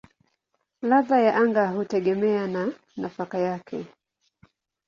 Ladha ya unga hutegemea na nafaka yake.